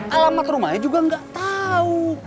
alamat rumahnya juga gak tau